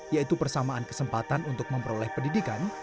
yaitu persamaan kesempatan untuk memperoleh pendidikan